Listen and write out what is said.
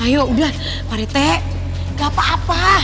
ayo udah pak rete gak apa apa